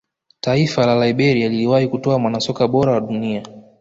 taifa la liberia liliwahi kutoa mwanasoka bora wa dunia